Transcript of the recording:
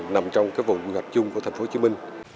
nằm trong vùng quy hoạch chung của thành phố hồ chí minh